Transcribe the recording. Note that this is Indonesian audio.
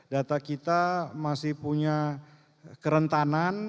data kita masih punya kerentanan